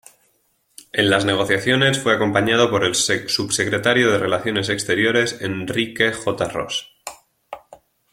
En las negociaciones fue acompañado por el Subsecretario de Relaciones Exteriores Enrique J. Ros.